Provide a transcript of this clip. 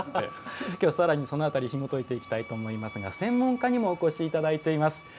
きょう、さらにその辺りひもといていきたいと思いますが専門家にもお越しいただいております。